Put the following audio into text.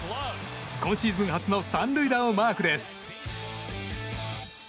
今シーズン初の３塁打をマークです。